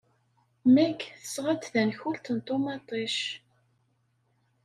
Meg tesɣa-d tankult n ṭumaṭic.